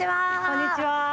こんにちは。